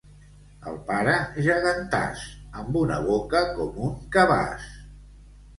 El pare gegantàs, amb una boca com un cabàs.